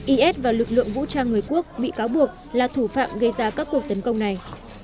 is và lực lượng vũ trang người quốc bị cáo buộc là thủ phạm gây ra các cuộc tấn công này